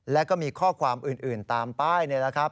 แล้วก็มีข้อความอื่นตามป้ายนี่แหละครับ